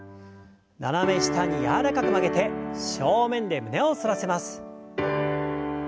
斜め下に柔らかく曲げて正面で胸を反らせます。